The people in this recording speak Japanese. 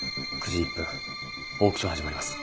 ９時１分オークション始まります。